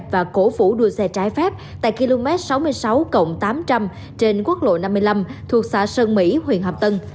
và cổ vũ đua xe trái phép tại km sáu mươi sáu tám trăm linh trên quốc lộ năm mươi năm thuộc xã sơn mỹ huyện hàm tân